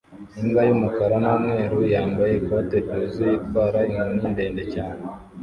Imbwa y'umukara n'umweru yambaye ikote ryuzuye itwaye inkoni ndende cyane